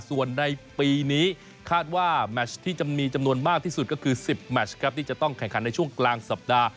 ส่วนในปีนี้คาดว่าแมชที่จะมีจำนวนมากที่สุดก็คือ๑๐แมชครับที่จะต้องแข่งขันในช่วงกลางสัปดาห์